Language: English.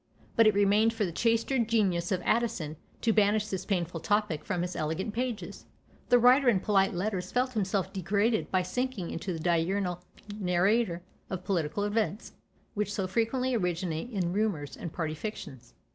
But it remained for the chaster genius of Addison to banish this painful topic from his elegant pages. The writer in polite letters felt himself degraded by sinking into the diurnal narrator of political events, which so frequently originate in rumours and party fictions.